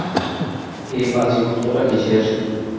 এই বাজে গন্ধটা কীসের?